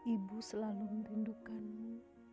ibu selalu menindukkanmu